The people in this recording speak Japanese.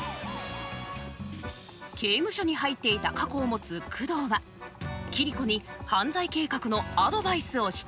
刑務所に入っていた過去を持つ久遠は桐子に犯罪計画のアドバイスをしていきます。